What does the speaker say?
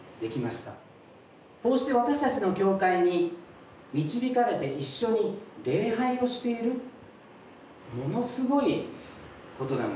こうして私たちの教会に導かれて一緒に礼拝をしているものすごいことなんです。